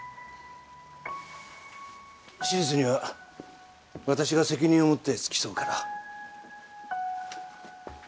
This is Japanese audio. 手術には私が責任を持って付き添うから。